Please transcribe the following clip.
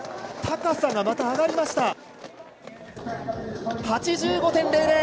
高さがまた上がりました。